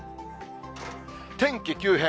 天気急変。